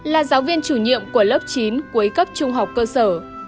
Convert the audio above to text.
là giáo viên chủ nhiệm của lớp chín cuối cấp trung học cơ sở